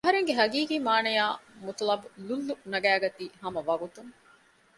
އަހަރެންގެ ހަގީގީ މާނަޔާއި މަތުލަބު ލުއްލު ނަގައިގަތީ ހަމަ ވަގުތުން